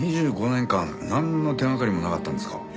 ２５年間なんの手掛かりもなかったんですか？